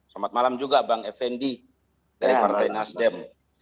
selamat malam juga bang effendi dari partai nasdem